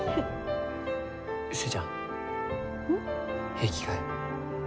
平気かえ？